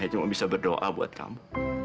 cuma bisa berdoa buat kamu